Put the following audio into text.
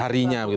ya segala sesuatu